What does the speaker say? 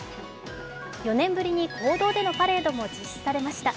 ４年ぶりに公道でのパレードも実施されました。